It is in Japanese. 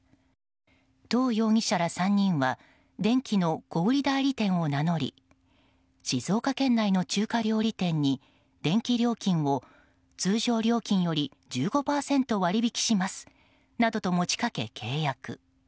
トウ容疑者ら３人は電気の小売代理店を名乗り静岡県内の中華料理店に電気料金を通常料金より１５％割り引きしますと持ち掛け契約。